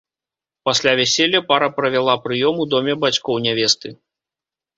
Пасля вяселля пара правяла прыём у доме бацькоў нявесты.